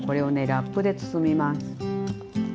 ラップで包みます。